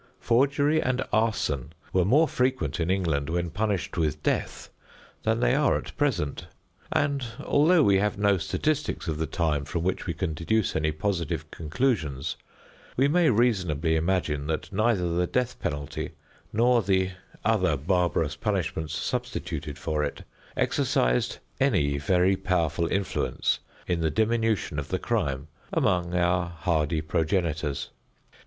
Forgery and arson were more frequent in England when punished with death than they are at present; and although we have no statistics of the time from which we can deduce any positive conclusions, we may reasonably imagine that neither the death penalty, nor the other barbarous punishments substituted for it, exercised any very powerful influence in the diminution of the crime among our hardy progenitors.